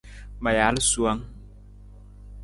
Ma jaal suwang.